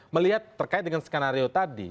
melihat terkait dengan skenario tadi